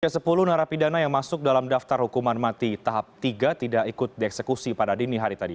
ke sepuluh narapidana yang masuk dalam daftar hukuman mati tahap tiga tidak ikut dieksekusi pada dini hari tadi